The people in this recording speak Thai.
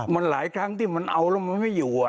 มันหลายครั้งที่มันเอาแล้วมันไม่อยู่